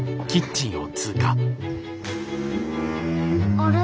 あれ？